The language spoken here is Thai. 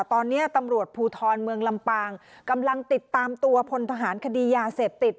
ตอนนี้ตำรวจภูทรเมืองลำปางกำลังติดตามตัวพลทหารคดียาเสพติด